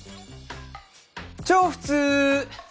超普通！